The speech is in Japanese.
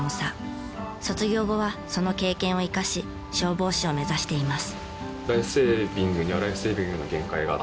卒業後はその経験を生かし消防士を目指しています。